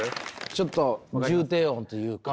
ちょっと重低音というか。